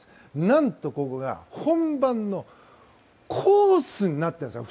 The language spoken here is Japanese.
何とここが、本番のコースになっているんです。